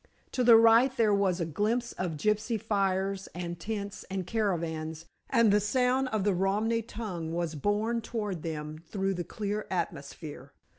To the right there was a glimpse of gypsy fires and tents and caravans, and the sound of the Romany tongue was borne toward them through the clear atmosphere.